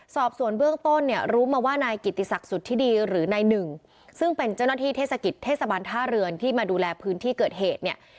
สอบส่วนเบื้องต้นเนี่ยรู้มาว่านายกิติศักดิ์สุธิดีหรือนายหนึ่งซึ่งเป็นเจ้าหน้าที่เทศกิจเทศบาลท่าเรือนที่มาดูแลพื้นที่เกิดเหตุเนี่ย